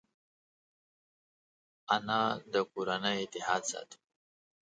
انا د کورنۍ اتحاد ساتي